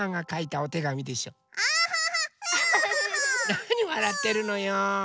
なにわらってるのよ。